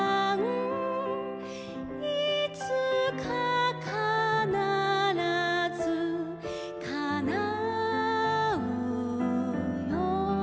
「いつかかならずかなうよ」